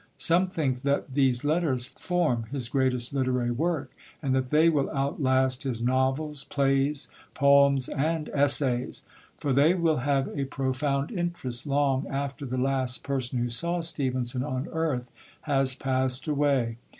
Some think that these Letters form his greatest literary work, and that they will outlast his novels, plays, poems, and essays. For they will have a profound interest long after the last person who saw Stevenson on earth has passed away.